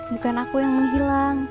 bukan aku yang menghilang